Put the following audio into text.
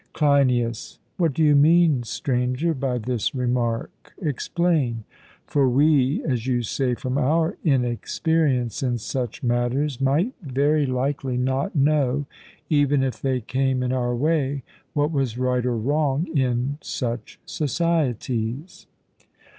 CLEINIAS: What do you mean, Stranger, by this remark? Explain. For we, as you say, from our inexperience in such matters, might very likely not know, even if they came in our way, what was right or wrong in such societies.